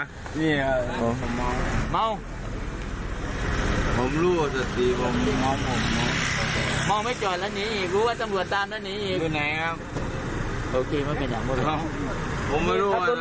ผมไม่รู้ว่าทำไง